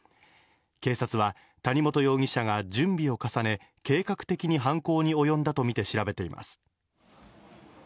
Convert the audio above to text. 警察は谷本容疑者が準備を重ね、計画的に犯行におよんだとみて調べています。